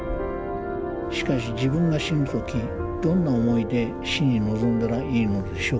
しかし自分が死ぬ時どんな思いで死に臨んだらいいのでしょうか。